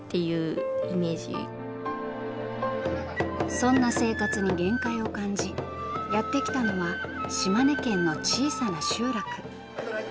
そんな生活に限界を感じやって来たのは島根県の小さな集落。